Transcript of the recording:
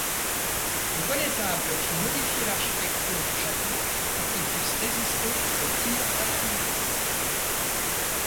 Le connétable fit modifié l'architecture du château pour qu'il puisse résister aux tirs d'artillerie.